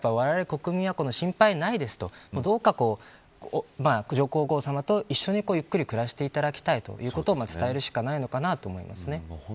われわれ国民は心配ないですとどうか上皇后さまと一緒にゆっくり暮らしていただきたいということを伝えるしかないのかなと思います。